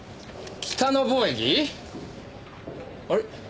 あれ？